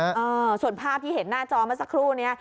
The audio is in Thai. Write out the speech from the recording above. เออส่วนภาพที่เห็นหน้าจอเมื่อสักครู่นี้